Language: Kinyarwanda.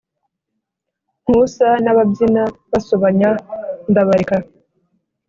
Ntusa n’ababyina basobanya ndabareka